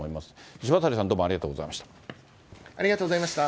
石渡さん、どうもありがありがとうございました。